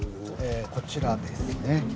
こちらですね。